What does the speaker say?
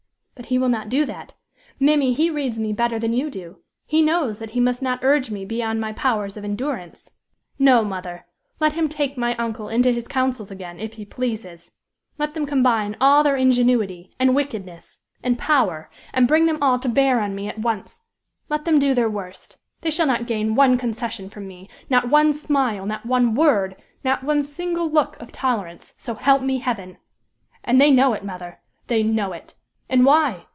But he will not do that. Mimmy! he reads me better than you do; he knows that he must not urge me beyond my powers of endurance. No, mother! Let him take my uncle into his counsels again, if he pleases; let them combine all their ingenuity, and wickedness, and power, and bring them all to bear on me at once; let them do their worst they shall not gain one concession from me; not one smile, not one word, not one single look of tolerance so help me heaven! And they know it, mother! they know it! And why?